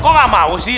kok gak mau sih